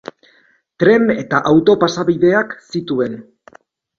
Tren eta auto pasabideak zituen.